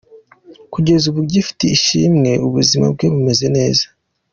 Kugeza ubu Gift Ishimwe ubuzima bwe bumeze neza.